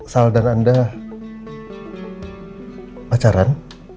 sal dan anda pacaran